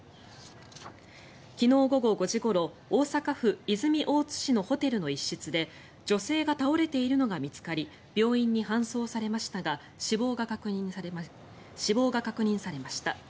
昨日午後５時ごろ大阪府泉大津市のホテルの一室で女性が倒れているのが見つかり病院に搬送されましたが死亡が確認されました。